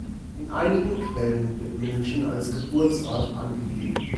In einigen Quellen wird München als Geburtsort angegeben.